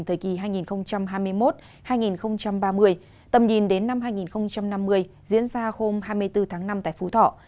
thời kỳ hai nghìn hai mươi một hai nghìn ba mươi tầm nhìn đến năm hai nghìn năm mươi diễn ra hôm hai mươi bốn tháng năm tại phú thọ